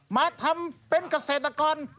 มาทำเป็นเกษตรกร